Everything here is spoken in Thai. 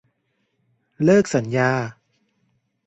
เลิกสัญญา